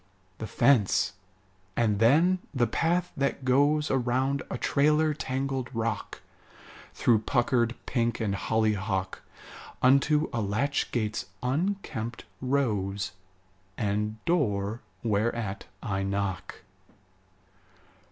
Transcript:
The fence; and then the path that goes Around a trailer tangled rock, Through puckered pink and hollyhock, Unto a latch gate's unkempt rose, And door whereat I knock.